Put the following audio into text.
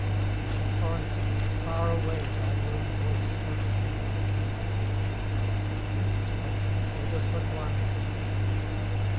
In many foreign cities, far away, TTiy lone voice spoke to me like memory. Do hundreds play thee, or does but one play?